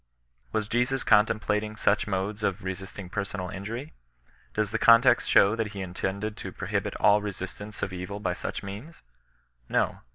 Was Jesus contemplating such modes of resisting per sonal injury ? Does the context show that he intended to prohibit all resistance of evil by such means ? No.